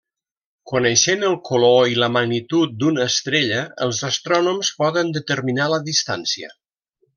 Coneixent el color i la magnitud d'una estrella els astrònoms poden determinar la distància.